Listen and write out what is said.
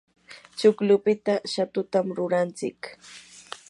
chuklupita shatutam rurantsik.